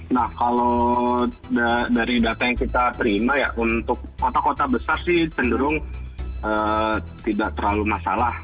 nah kalau dari data yang kita terima ya untuk kota kota besar sih cenderung tidak terlalu masalah